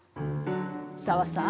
紗和さん。